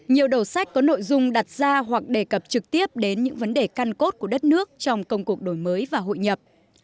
nhiều đầu sách có nội dung đặt ra hoặc đề cập trực tiếp đến những vấn đề căn cốt của đất nước trong công cuộc đổi mới và hội nhập